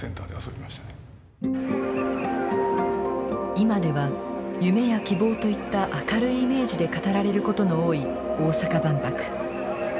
今では夢や希望といった明るいイメージで語られることの多い大阪万博。